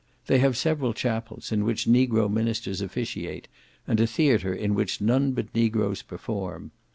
They have several chapels, in which negro ministers officiate; and a theatre in which none but negroes perform.